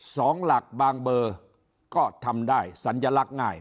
สองหลักบางเบอร์ก็ทำได้สัญลักษณ์ง่าย